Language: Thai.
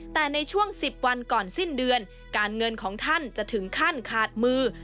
แต่ในช่วง๑๐วันก่อนสิ้นเดือนการเงินของท่านจะถึงขั้นขาดมือ